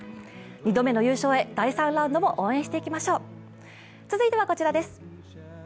２度目の優勝へ第３ラウンドも応援していきましょう。